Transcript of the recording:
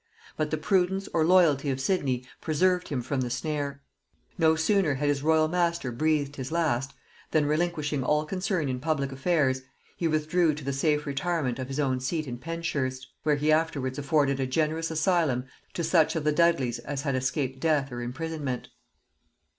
But the prudence or loyalty of Sidney preserved him from the snare. No sooner had his royal master breathed his last, than, relinquishing all concern in public affairs, he withdrew to the safe retirement of his own seat at Penshurst, where he afterwards afforded a generous asylum to such of the Dudleys as had escaped death or imprisonment.